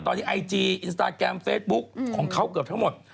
ตอนนี้ไอจีอินสตาแกรมเฟซบุ๊คของเขาเกือบทั้งหมด